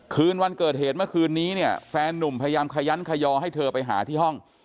คืนวันเกิดเหตุเมื่อคืนนี้เนี่ยแฟนนุ่มพยายามขยันขยอให้เธอไปหาที่ห้อง